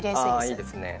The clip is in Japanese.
あいいですね。